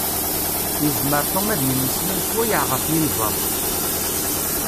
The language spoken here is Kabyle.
Yezmer Tom ad d-yemmeslay sswayeɛ ɣef yinzaḍ.